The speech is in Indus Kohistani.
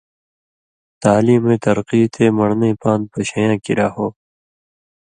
تعلیمَیں ترقی تے من٘ڑنئ پان٘د پشَیں یاں کِریا ہو۔